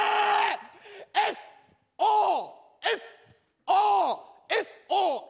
ＳＯＳＯＳＯＳＯ